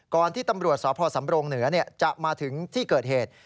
ก่อนที่ตำรวจสสเนื้อจะมาถึงที่เกิดเหตุ